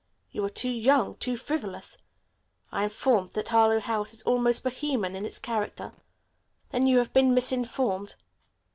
You are too young, too frivolous. I am informed that Harlowe House is almost Bohemian in its character." "Then you have been misinformed."